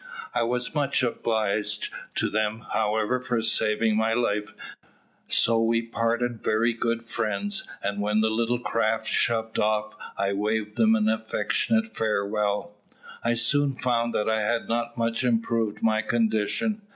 I was much obliged to them, however, for saving my life; so we parted very good friends, and when the little craft shoved off, I waved them an affectionate farewell. I soon found that I had not much improved my condition.